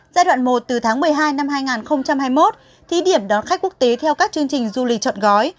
giai đoạn một từ tháng một mươi hai năm hai nghìn hai mươi một thí điểm đón khách quốc tế theo các chương trình du lịch chọn gói